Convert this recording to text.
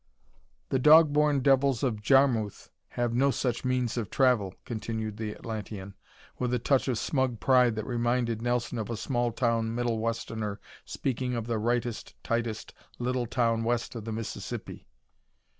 "The dog born devils of Jarmuth have no such means of travel," continued the Atlantean, with a touch of smug pride that reminded Nelson of a small town Middle Westerner speaking of the "rightest, tightest little town west of the Mississippi."